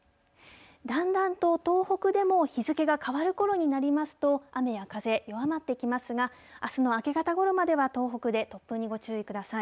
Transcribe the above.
だんだんと東北でも、日付が変わるころになりますと、雨や風、弱まってきますが、あすの明け方ごろまでは東北で突風にご注意ください。